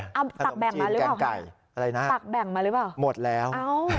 ตักแบ่งมาหรือเปล่าคะอะไรนะหมดแล้ว